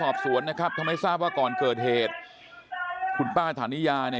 นี่คือในปราวุฒินะครับเอออโยยวายพูดออกมาบอกนี่ถ้าใครร่องแก้เด็กนี่จะตายแน่